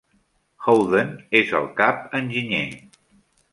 Howden és el cap enginyer.